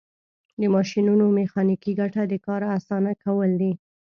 د ماشینونو میخانیکي ګټه د کار اسانه کول دي.